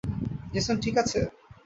Jason ঠিক আছে?